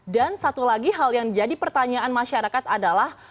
dan satu lagi hal yang jadi pertanyaan masyarakat adalah